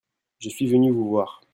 je suis venu vous voir.